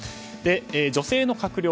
女性の閣僚